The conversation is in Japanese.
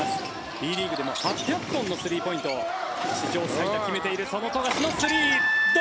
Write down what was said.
Ｂリーグでも８００本のスリーポイントを史上最多決めているその富樫のスリー。